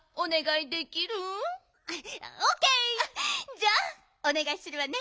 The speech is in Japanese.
じゃあおねがいするわね。